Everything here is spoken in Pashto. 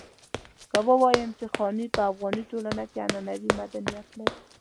که ووايم چې خاني په افغاني ټولنه کې عنعنوي مدنيت لري.